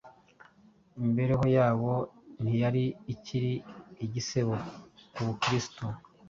Imibereho yabo ntiyari ikiri igisebo ku Bukristo,